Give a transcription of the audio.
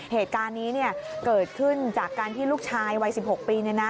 เหตุการณ์นี้เกิดขึ้นจากการที่ลูกชายวัย๑๖ปี